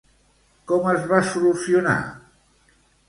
Com es va solucionar?